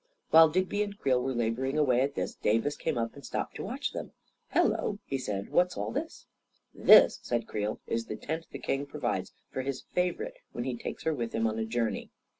A KING IN BABYLON 191 While Digby and Creel were laboring away at this, Davis came up and stopped to watch them. " Hello !" he said. " What's all this? " "This," said Creel, "is the tent the king pro vides for his favorite when he takes her with him on a journey."